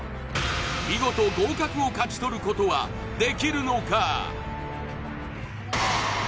見事合格を勝ち取ることはできるのか？